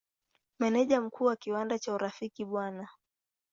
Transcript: Meneja Mkuu wa kiwanda cha Urafiki Bw.